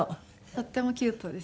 とってもキュートです。